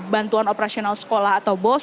bantuan operasional sekolah atau bos